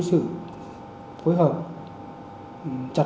tuy nhiên thì